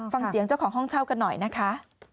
ฟังเสียงเจ้าของห้องเช่ากันหน่อยนะคะ